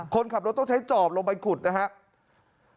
คนขับรถต้องใช้จอบลงไปขุดนะครับ